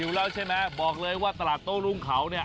แล้วใช่ไหมบอกเลยว่าตลาดโต้รุ่งเขาเนี่ย